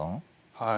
はい。